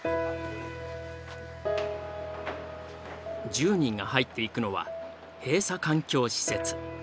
１０人が入っていくのは閉鎖環境施設。